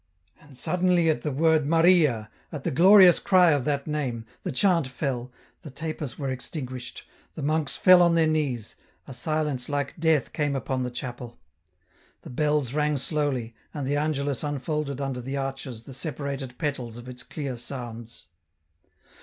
And suddenly at the word " Maria," at the glorious cry of that n^me, the chant fell, the tapers were extinguished, the monks fell on their knees, a silence like death came upon the EN ROUTE. 167 chapel. The bells rang slowly, and the Angelus unfolded under the arches the separated petals of its clear sounds.